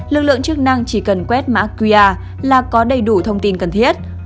lực lượng chức năng chỉ cần quét mã quy rồi cốt là có đầy đủ thông tin cần thiết